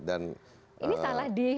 ini salah di